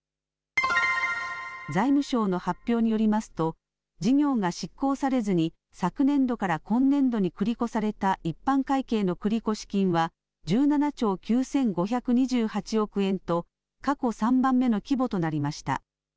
財務省の発表によりますと事業が執行されずに昨年度から今年度に繰り越された一般会計の繰越金は１７兆９５２８億円と過去３番目の規模となりました。